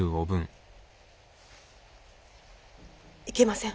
行けません。